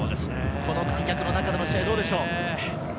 この観客の中での試合どうでしょうか？